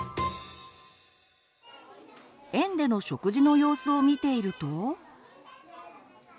園での食事の様子を見ていると。